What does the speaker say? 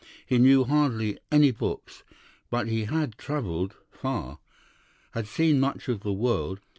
He knew hardly any books, but he had travelled far, had seen much of the world.